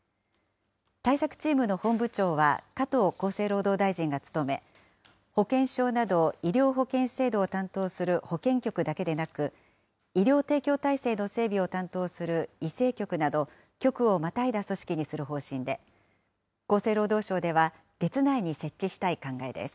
対策チームの本部長は加藤厚生労働大臣が務め、保険証など医療保険制度を担当する保険局だけでなく、医療提供体制の整備を担当する医政局など、局をまたいだ組織にする方針で、厚生労働省では月内に設置したい考えです。